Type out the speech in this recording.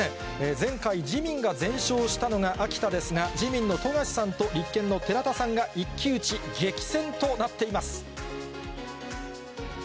前回、自民が全勝したのが秋田ですが、自民の冨樫さんと立憲の寺田さんが、一騎打ち、激戦となっています。